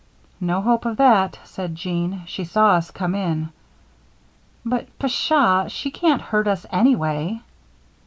"No hope of that," said Jean. "She saw us come in. But, pshaw! she can't hurt us anyway."